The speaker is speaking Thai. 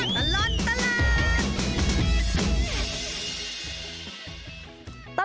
ชั่วตลอดตลาด